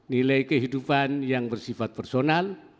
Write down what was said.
nilai kehidupan yang bersifat personal